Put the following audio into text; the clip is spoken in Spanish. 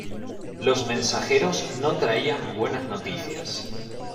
Los mensajeros no traían buenas noticias.